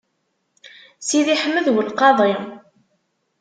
Sidi Ḥmed U Lqaḍi.